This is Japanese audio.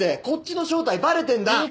こっちの正体バレてんだ！